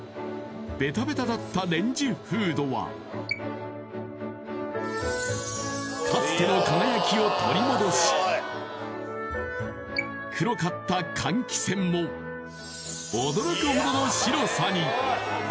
ベタベタだったレンジフードはかつての輝きを取り戻し黒かった換気扇も驚くほどの白さに！